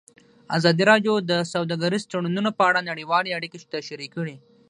ازادي راډیو د سوداګریز تړونونه په اړه نړیوالې اړیکې تشریح کړي.